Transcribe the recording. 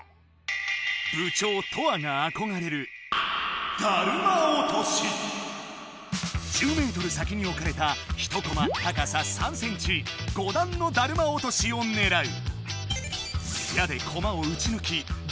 部長トアがあこがれる１０メートル先におかれた１コマ高さ３センチ５だんのだるま落としをねらう。